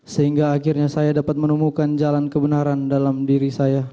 sehingga akhirnya saya dapat menemukan jalan kebenaran dalam diri saya